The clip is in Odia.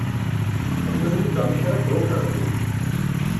ହେଲୁ ହେଲୁ ଜମିଦାର ତୋ ଘରକୁ ।